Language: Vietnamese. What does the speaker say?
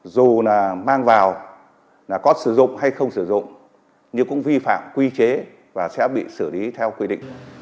dù là mang vào là có sử dụng hay không sử dụng nhưng cũng vi phạm quy chế và sẽ bị xử lý theo quy định